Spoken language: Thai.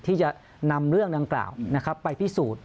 ที่จะนำเรื่องดังกล่าวไปพิสูจน์